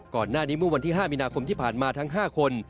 ก่อนหน้านี้เมื่อวันที่๕มีนาคมที่ผ่านมาทั้ง๕คน